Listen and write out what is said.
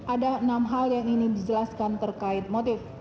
ada enam hal yang ingin dijelaskan terkait motif